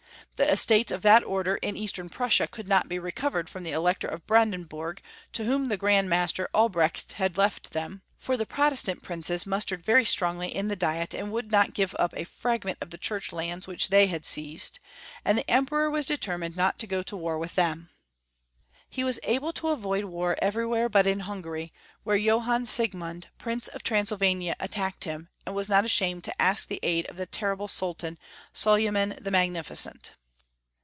The estates of that Order in Eastern Prussia could not be recovered from the Elector of Brandenbiu*g, to whom the Grand Master Albrecht liad left them, for the Protestant princes mustered very strongly in the Diet, and would not give up a fragment of the Church lands which they had seized, and the 310 Young Folks'* History of Germany. Emperor was determined not to go to war with them. He was able to avoid war everywhere but in Hungary, where Johann Siegmund, Prince of Transylvania, attacked him, and was not ashamed to ask the aid of the terrible Sultan, Soljonan the Magnificent.